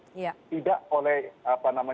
nah kandidasi itu ditentukan oleh partai politik